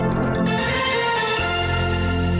ทำได้หรือไม่ได้ครับ